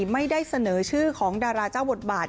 ไม่ได้เสนอชื่อของดาราเจ้าบทบาท